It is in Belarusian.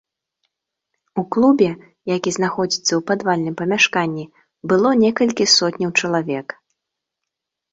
У клубе, які знаходзіцца ў падвальным памяшканні, было некалькі сотняў чалавек.